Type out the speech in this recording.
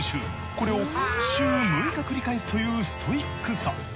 これを週６日繰り返すというストイックさ。